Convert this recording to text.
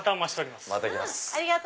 また来ます。